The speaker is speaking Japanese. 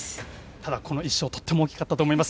ただこの１勝とっても大きかったと思います。